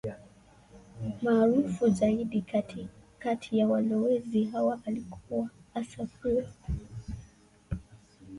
The most famous of these settlers was Asa Prior.